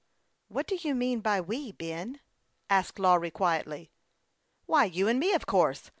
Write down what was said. " What do you mean by we, Ben ?" asked Lawry, quietly. " Why, you and me, of course.